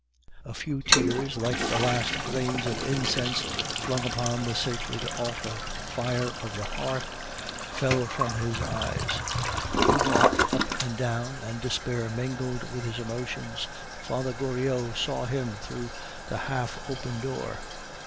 A few tears, like the last grains of incense flung upon the sacred alter fire of the hearth, fell from his eyes. He walked up and down, and despair mingled with his emotion. Father Goriot saw him through the half open door.